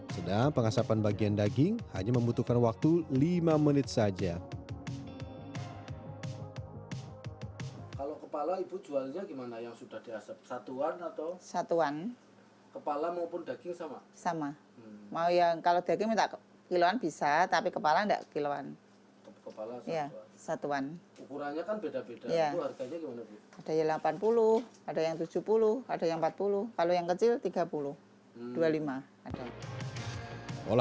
sedang pengasapan bagian daging hanya membutuhkan waktu lima menit saja